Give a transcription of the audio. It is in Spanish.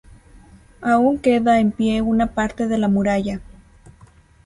Aún queda en pie una parte de la muralla.